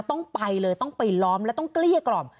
ต้องไปเลยต้องไปล้อมและต้องเกลี้ยกล่อม